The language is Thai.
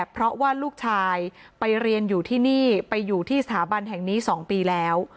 เพราะว่าลูกชายไปเรียนอยู่ที่นี่ไปอยู่ที่สถาบันแห่งนี้๒ปีแล้ว